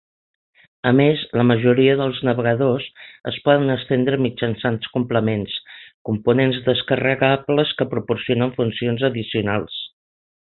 A més, la majoria dels navegadors es poden estendre mitjançant complements, components descarregables que proporcionen funcions addicionals.